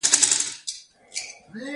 کوچیان د افغان ښځو په ژوند کې رول لري.